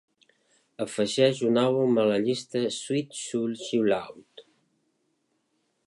afegeix un àlbum a la llista Sweet Soul Chillout